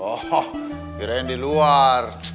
oh kirain di luar